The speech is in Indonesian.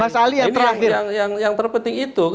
mas ali yang terakhir yang terpenting itu